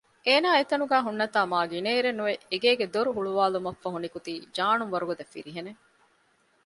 އޭނާ އެތަނުގައި ހުންނަތާ މާ ގިނައިރެއްނުވެ އެގޭގެ ދޮރު ހުޅުވާލުމަށްފަހު ނިކުތީ ޖާނުން ވަރުގަދަ ފިރިހެނެއް